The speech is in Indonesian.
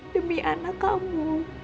demi anak kamu